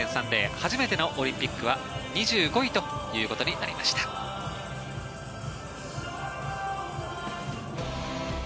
初めてのオリンピックは２５位ということになりました。